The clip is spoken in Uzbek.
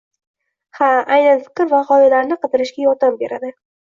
Ha, aynan fikr va gʻoyalarni qidirishga yordam beradi.